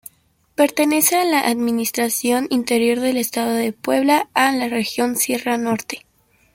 Pertenece a la administración interior del estado de Puebla a la Región Sierra Norte.